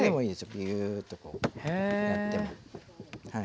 ピューッとこうやっても。